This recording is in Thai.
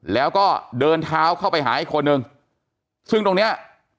แล้วก็เดินเท้าเข้าไปหาอีกคนนึงซึ่งตรงเนี้ย